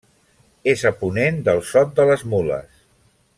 És a ponent del Sot de les Mules.